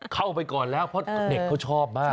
เข้าไปก่อนแล้วเพราะเด็กเขาชอบมาก